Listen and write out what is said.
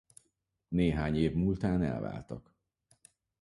Néhány év múltán elváltak.